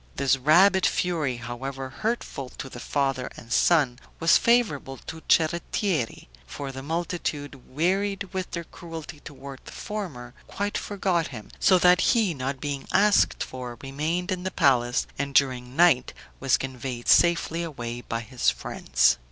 This rabid fury, however hurtful to the father and son, was favorable to Cerrettieri; for the multitude, wearied with their cruelty toward the former, quite forgot him, so that he, not being asked for, remained in the palace, and during night was conveyed safely away by his friends.